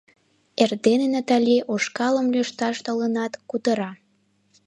Эрдене Натали ушкалым лӱшташ толынат, кутыра: